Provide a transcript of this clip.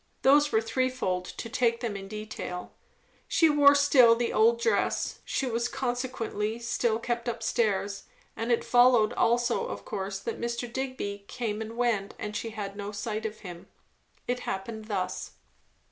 Those were threefold, to take them in detail. She wore still the old dress; she was consequently still kept up stairs; and it followed also of course that Mr. Digby came and went and she had no sight of him. It happened thus.